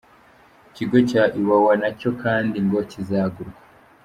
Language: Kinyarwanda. Ikigo cya Iwawa na cyo kandi ngo kizagurwa.